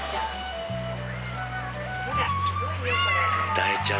大ちゃん。